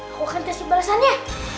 aku akan kasih balasannya